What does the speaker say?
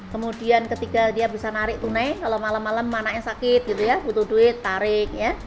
kemudian ketika dia bisa narik tunai kalau malam malam mananya sakit gitu ya butuh duit tarik ya